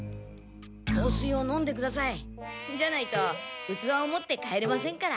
ぞうすいを飲んでください。じゃないと器を持って帰れませんから。